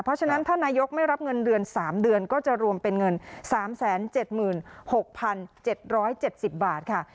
เพราะฉะนั้นถ้านายกไม่รับเงินเดือนสามเดือนก็จะรวมเป็นเงินสามแสนเจ็ดหมื่นหกพันเจ็ดร้อยเจ็ดสิบบาทค่ะ